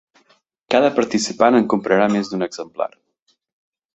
Cada participant en comprarà més d'un exemplar.